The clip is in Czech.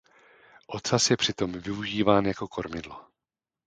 Ocas je při tom využíván jako kormidlo.